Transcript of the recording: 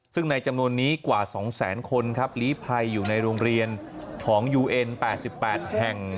ซึ่งในจำนวนนี้กว่า๒แสนคนครับลีภัยอยู่ในโรงเรียนของยูเอ็น๘๘แห่ง